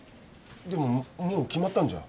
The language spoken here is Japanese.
でももう決まったんじゃ。